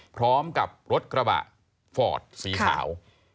พร้อมกับรถกระบะฟอร์ดสีขาว